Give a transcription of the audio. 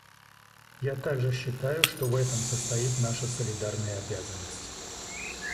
Я также считаю, что в этом состоит наша солидарная обязанность.